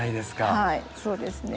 はいそうですね。